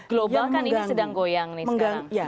global kan ini sedang goyang nih sekarang